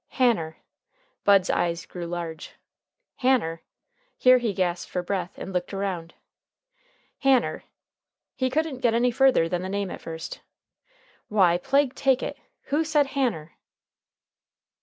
"Hanner!" Bud's eyes grew large. "Hanner!" Here he gasped for breath, and looked around, "Hanner!" He couldn't get any further than the name at first. "Why, plague take it, who said Hanner?"